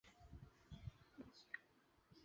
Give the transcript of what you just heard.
黄讷裕生于唐大中五年。